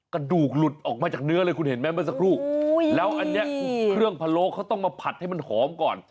กระดูกหลุดออกมาจากเนื้อเลยคุณเห็นไหมเมื่อสักครู่แล้วอันนี้เครื่องพะโล้เขาต้องมาผัดให้มันหอมก่อน